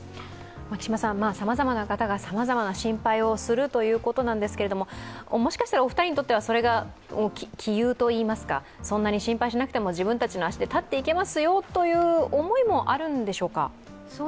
さまざまな方がさまざまな心配をするということなんですけれどもしかしたらお二人にとってはそれが杞憂と言いますかそんなに心配しなくても自分たちの足で立っていけますという思いがあるんでしょうか。